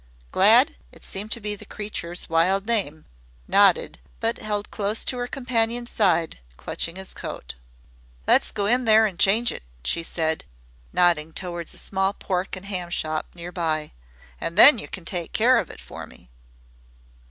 Glad it seemed to be the creature's wild name nodded, but held close to her companion's side, clutching his coat. "Let's go in there an' change it," she said, nodding toward a small pork and ham shop near by. "An' then yer can take care of it for me."